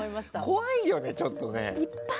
怖いよね、ちょっと。